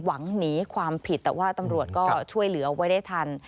หนีความผิดแต่ว่าตำรวจก็ช่วยเหลือไว้ได้ทัน